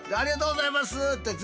ありがとうございます！